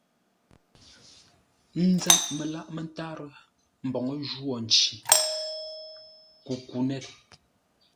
N nzêʼ məlâʼ mə́tárə́ mbǒu jwô nci kukunét.